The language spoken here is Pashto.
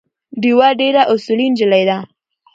ډیوه ډېره اصولي نجلی ده